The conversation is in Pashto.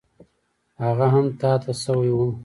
هغه هم تا ته شوی و.